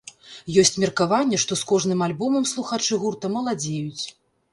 Ёсць меркаванне, што з кожным альбомам слухачы гурта маладзеюць.